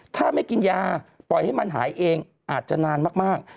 ถ้าไม่กินยาปล่อยให้มันหายเองอาจจะนานมาก